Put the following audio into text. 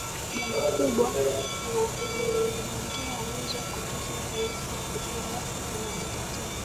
jambo kubwa na umemjengea uwezo wa kutosha na uzoefu wa kujua wapi kuna matatizo